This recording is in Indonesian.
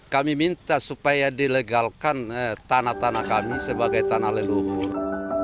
kami minta supaya dilegalkan tanah tanah kami sebagai tanah leluhur